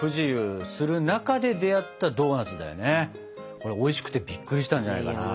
これおいしくてびっくりしたんじゃないかな。